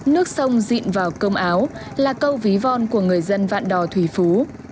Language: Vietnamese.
nước sông dịn vào cơm áo là câu ví von của người dân vạn đò thủy phú